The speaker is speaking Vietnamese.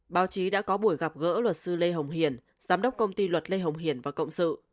báo chí đã có buổi gặp gỡ luật sư lê hồng hiền giám đốc công ty luật lê hồng hiền và cộng sự